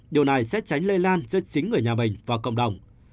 điều này sẽ tránh lây lan giữa chính người nhà mình và cộng đồng